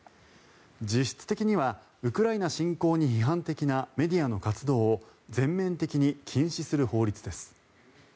実質的にはウクライナ侵攻に批判的なメディアの活動を全面的に禁止する法律です。